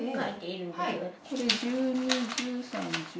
これ１２１３１４。